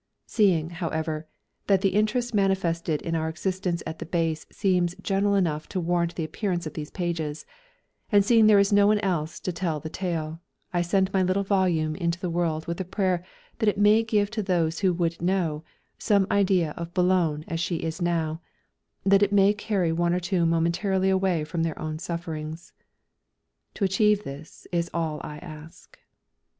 Seeing, however, that the interest manifested in our existence at the Base seems general enough to warrant the appearance of these pages, and seeing there is no one else to tell the tale, I send my little volume into the world with the prayer that it may give to those who would know, some idea of Boulogne as she now is, that it may carry one or two momentarily away from their own sufferings. To achieve this is all I ask.